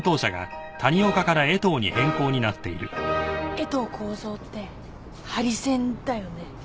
「江藤耕造」ってハリセンだよね？